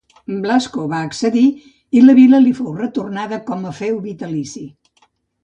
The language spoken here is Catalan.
Blasco va accedir i la vila li fou retornada com a feu vitalici.